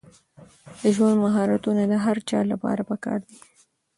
د ژوند مهارتونه د هر چا لپاره پکار دي.